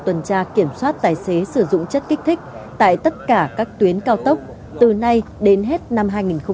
tuần tra kiểm soát tài xế sử dụng chất kích thích tại tất cả các tuyến cao tốc từ nay đến hết năm hai nghìn hai mươi